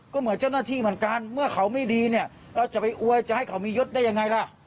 ก็เหมือนเจ้าหน้าที่เหมือนกันเมื่อเขาไม่ดีเนี่ยเราจะไปอวยจะให้เขามียศได้ยังไงล่ะ